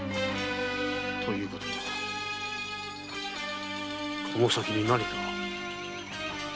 ということはこの先に何かが！